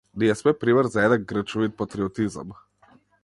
Ние сме пример за еден грчовит патриотизам.